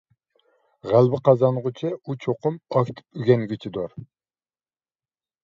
غەلىبە قازانغۇچى ئۇ چوقۇم ئاكتىپ ئۆگەنگۈچىدۇر.